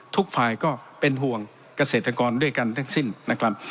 ทุกฝ่ายก็เป็นห่วงเกษตรกรด้วยกันทั้งสิ้นนะครับ